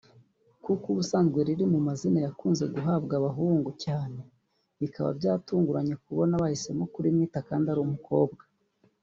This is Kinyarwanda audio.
kuko ubusanzwe riri mu mazina yakunze guhabwa abahungu cyane bikaba byatunguranye kubona bahisemo kurimwita kandi ari umukobwa